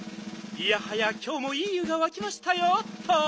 いやはやきょうもいい湯がわきましたよっと。